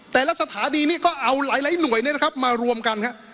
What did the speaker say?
แต่ละสถานีนี้ก็เอาหลายหลายหน่วยเนี้ยนะครับมารวมกันครับ